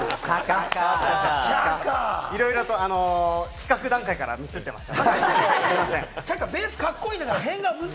いろいろと企画段階からミスってました。